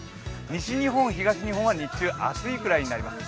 西日本、東日本は日中、暑いくらいになります